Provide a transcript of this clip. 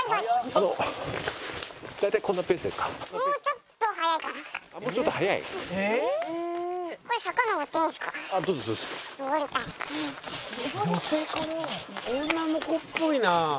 「女の子っぽいな」